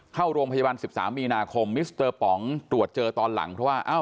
เข้าโรงพยาบาล๑๓มีนาคมมิสเตอร์ป๋องตรวจเจอตอนหลังเพราะว่าเอ้า